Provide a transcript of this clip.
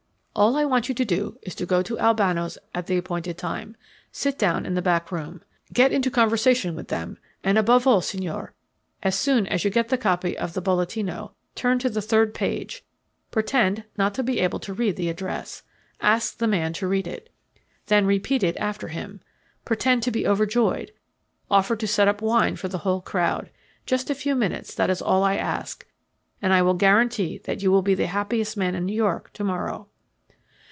"All I want you to do is to go to Albano's at the appointed time. Sit down in the back room. Get into conversation with them, and, above all, Signor, as soon as you get the copy of the Bolletino turn to the third page, pretend not to be able to read the address. Ask the man to read it. Then repeat it after him. Pretend to be overjoyed. Offer to set up wine for the whole crowd. Just a few minutes, that is all I ask, and I will guarantee that you will be the happiest man in New York to morrow."